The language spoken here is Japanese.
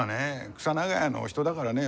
クサ長屋のお人だからね